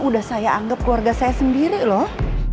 udah saya anggap keluarga saya sendiri loh